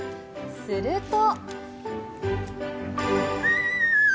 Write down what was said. すると。